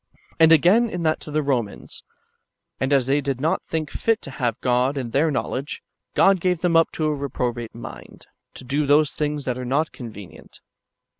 ^ And again, in that to the Komans :^' And as they did not think fit to have God in their knowledge, God gave them up to a reprobate mind, to do those things that are not convenient."